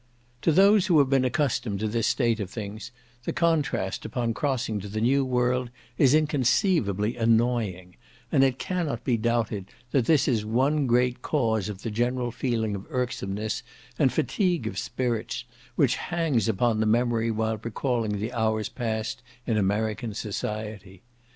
To those who have been accustomed to this state of things, the contrast upon crossing to the new world is inconceivably annoying; and it cannot be doubted that this is one great cause of the general feeling of irksomeness, and fatigue of spirits, which hangs upon the memory while recalling the hours passed in American society.